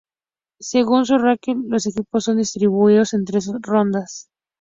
Según su ranking, los equipos son distribuidos en tres rondas.